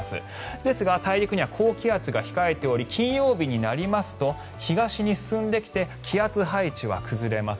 ですが、大陸には高気圧が控えており金曜日になりますと東に進んできて気圧配置は崩れます。